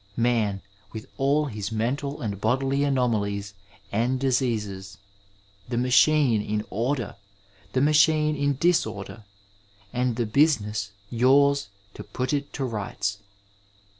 Man, with all his mental and bodily anomalies and diseases — the machine in order, the machine in disorder, and the business yours to put it to rights.